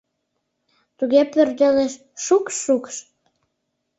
Туге пӧрдалеш — шукш-шукш...